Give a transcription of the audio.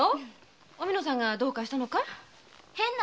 おみのさんがどうかしたのかい？